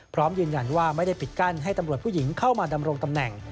พร้อมยืนยันว่าไม่ได้ปิดกั้นให้ตำรวจผู้หญิงเข้ามาดำรงตำแหน่ง